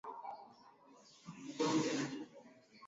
viongozi wa Kituruki walianza kufanya kazi ya kisasa